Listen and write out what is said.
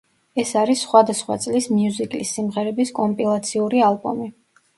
ეს არის სხვადასხვა წლის მიუზიკლის სიმღერების კომპილაციური ალბომი.